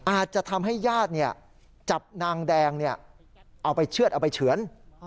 อาจจะทำให้ญาติจับนางแดงเอาไปเชื่อดเอาไปเฉือน